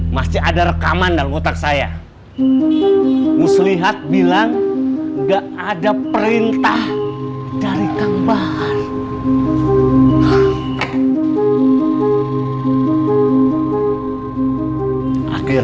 masih ada rekaman dalam otak saya muslihat bilang enggak ada perintah dari kabar